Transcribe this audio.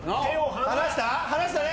離したね？